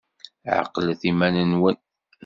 Ɛqlet iman-nwen!